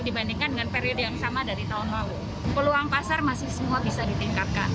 dibandingkan dengan periode yang sama dari tahun lalu peluang pasar masih semua bisa ditingkatkan